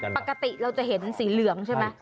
ปกติเราจะเห็นสีเหลืองใช่ไหม